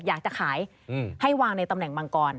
อยากจะขายให้วางในตำแหน่งมังกร